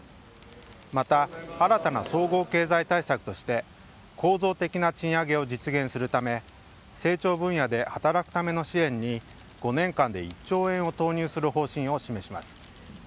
また新たな総合経済対策として、構造的な賃上げを実現するため、成長分野で働くための支援に、５年間で１兆円を投入する方針を示します。